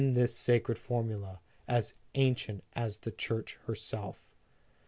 19 this sacred formula, as ancient as the Church herself.